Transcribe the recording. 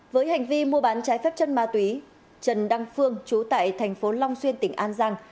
với hành vi mua bán trái phép chân ma túy trần đăng phương chú tại tp long xuyên tỉnh an giang